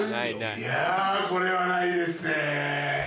いやこれはないですね。